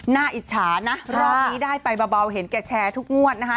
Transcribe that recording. อิจฉานะรอบนี้ได้ไปเบาเห็นแกแชร์ทุกงวดนะคะ